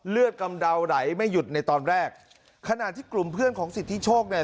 กำเดาไหลไม่หยุดในตอนแรกขณะที่กลุ่มเพื่อนของสิทธิโชคเนี่ย